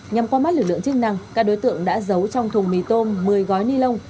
nhằm qua mắt lực lượng chức năng các đối tượng đã giấu trong thùng mì tôm một mươi gói ni lông